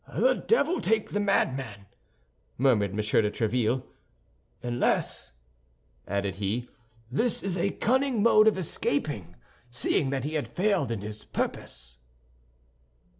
"The devil take the madman!" murmured M. de Tréville, "unless," added he, "this is a cunning mode of escaping, seeing that he had failed in his purpose!"